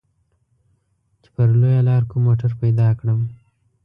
چې پر لويه لاره کوم موټر پيدا کړم.